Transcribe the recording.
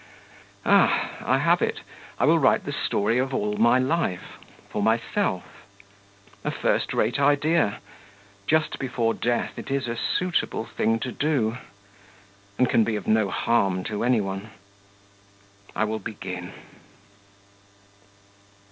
Ah, I have it, I will write the story of all my life for myself. A first rate idea! Just before death it is a suitable thing to do, and can be of no harm to any one. I will begin.